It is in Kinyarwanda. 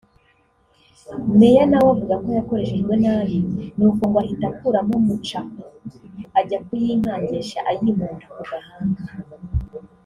Meya nawe avuga ko yakoreshejwe nabi ni uko ngo ahita ‘akuramo mucako ajya kuyinkangisha ayimponda ku gahanga’